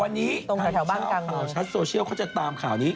วันนี้ข่าวชัดโซเชียลเขาจะตามข่าวนี้